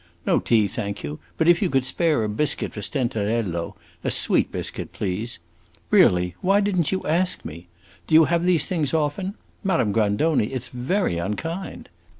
No tea, thank you; but if you could spare a biscuit for Stenterello; a sweet biscuit, please. Really, why did n't you ask me? Do you have these things often? Madame Grandoni, it 's very unkind!"